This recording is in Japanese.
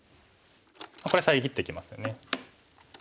これ遮ってきますよね。